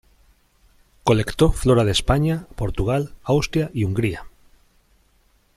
Colectó flora de España, Portugal, Austria, y Hungría.